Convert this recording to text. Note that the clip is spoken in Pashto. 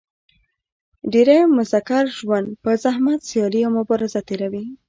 ډېری مذکر ژوند په زحمت سیالي او مبازره تېروي.